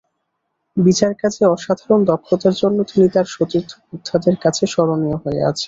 বিচারকাজে অসাধারণ দক্ষতার জন্য তিনি তাঁর সতীর্থ-বোদ্ধাদের কাছে স্মরণীয় হয়ে আছেন।